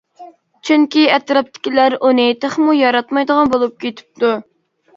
چۈنكى ئەتراپتىكىلەر ئۇنى تېخىمۇ ياراتمايدىغان بولۇپ كېتىپتۇ.